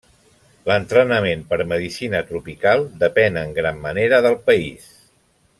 L'entrenament per Medicina Tropical depèn en gran manera del país.